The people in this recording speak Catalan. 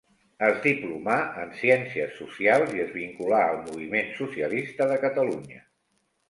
Es diplomà en ciències socials i es vinculà al Moviment Socialista de Catalunya.